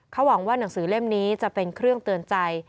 เขาหวังว่าหนังสือเล่มนี้จะเป็นเครื่องเตือนใจ